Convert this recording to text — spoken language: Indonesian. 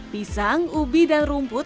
pisang ubi dan rumput